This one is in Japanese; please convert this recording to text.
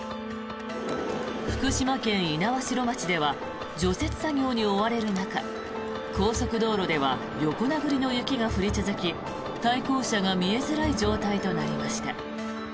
福島県猪苗代町では除雪作業に追われる中高速道路では横殴りの雪が降り続き対向車が見えづらい状態となりました。